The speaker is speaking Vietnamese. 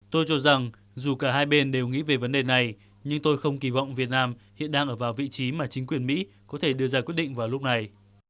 tôi cho rằng dù cả hai bên đều nghĩ về vấn đề này nhưng tôi không kỳ vọng việt nam hiện đang ở vào vị trí mà chính quyền mỹ có thể đưa ra quyết định vào lúc này